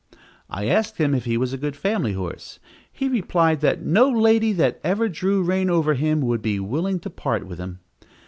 I asked him if he was a good family horse. He replied that no lady that ever drew rein over him would be willing to part with him.